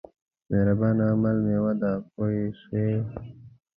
مهربان عمل مېوه ده پوه شوې!.